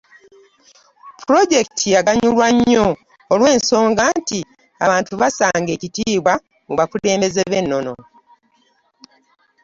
Pulojekiti yaganyulwanga nnyo olw’ensonga nti abantu bassanga ekitiibwa mu bakulembeze ab’ennono.